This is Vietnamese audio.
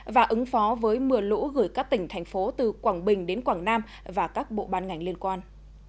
và ứng phó với mưa lũ gửi các tỉnh thành phố từ quảng bình đến quảng nam và các bộ ban ngành liên quan